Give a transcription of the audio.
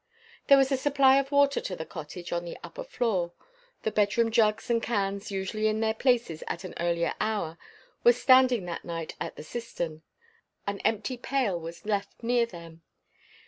There was a supply of water to the cottage, on the upper floor. The bedroom jugs and cans usually in their places at an earlier hour, were standing that night at the cistern. An empty pail was left near them.